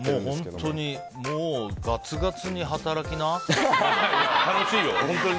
もう本当にガツガツに働きな！